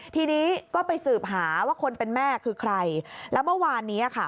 ทีนี้ก็ไปสืบหาว่าคนเป็นแม่คือใครแล้วเมื่อวานนี้ค่ะ